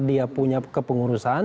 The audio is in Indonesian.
dia punya kepengurusan